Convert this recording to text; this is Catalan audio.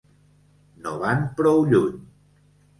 No van prou lluny.